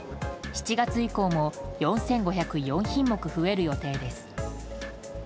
７月以降も４５０４品目増える予定です。